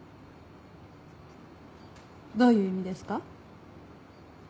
どういう意味ですか？